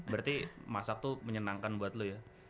berarti masak tuh menyenangkan buat lo ya